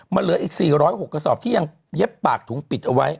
มันเหลืออีก๔๐๖กระสอบที่ยังเย็บปากถุงปิดเอาไว้